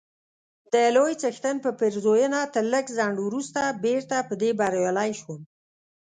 د لوی څښتن په پېرزوینه تر لږ ځنډ وروسته بیرته په دې بریالی سوم،